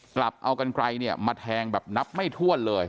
กลับเอากันไกลเนี่ยมาแทงแบบนับไม่ถ้วนเลย